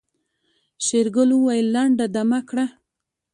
شېرګل وويل لنډه دمه کړه.